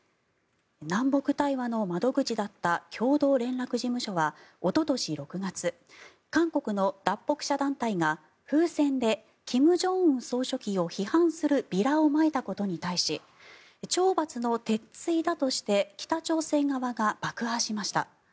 南北対話の窓口だった共同連絡事務所はおととし６月韓国の脱北者団体が風船で金正恩総書記を批判するビラをまいたことに対し懲罰の鉄ついだとして北朝鮮側が爆破しました。